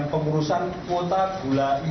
pemberian kepada ig